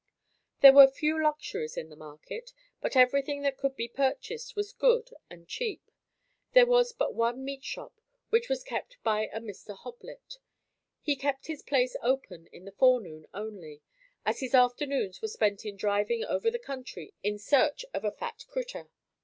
There were few luxuries in the market, but everything that could be purchased was good and cheap. There was but one meatshop which was kept by a Mr. Hoblet. He kept his place open in the forenoon only, as his afternoons were spent in driving over the country in search of a "fat critter."